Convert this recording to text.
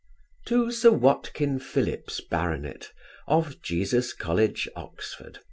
To Sir WATKIN PHILLIPS, Bart. of Jesus college, Oxon.